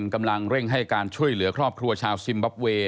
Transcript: กำลังเร่งให้การช่วยเหลือครอบครัวชาวซิมบับเวย์